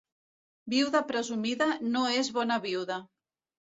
Viuda presumida no és bona viuda.